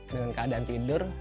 dengan keadaan tidur